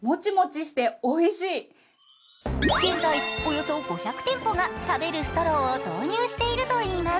現在およそ５００店舗が食べるストローを導入しているといいます。